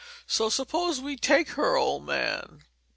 So suppose we take her, old man?"